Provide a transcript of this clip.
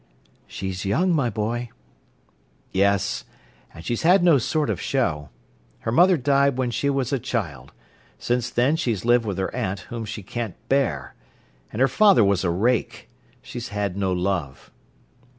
"She's young, my boy." "Yes; and she's had no sort of show. Her mother died when she was a child. Since then she's lived with her aunt, whom she can't bear. And her father was a rake. She's had no love."